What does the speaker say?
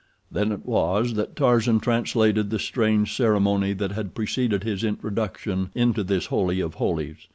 Then it was that Tarzan translated the strange ceremony that had preceded his introduction into this holy of holies.